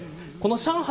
上海